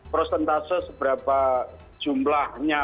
prosentase seberapa jumlahnya